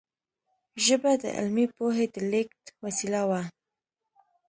ژبه د علمي پوهې د لېږد وسیله وه.